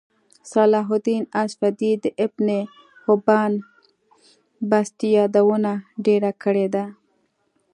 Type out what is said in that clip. صلاحالدیناصفدی دابنحبانبستيیادونهډیره کړیده